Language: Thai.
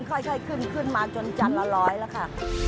ค่อยขึ้นมาจนจานละ๑๐๐บาทแล้วค่ะ